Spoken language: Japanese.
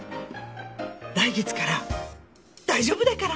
来月から大丈夫だから。